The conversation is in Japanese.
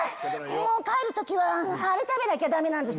もう帰る時はあれ食べなきゃダメなんです。